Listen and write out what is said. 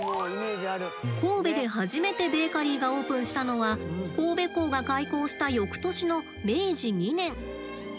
神戸で初めてベーカリーがオープンしたのは神戸港が開港した翌年の明治２年。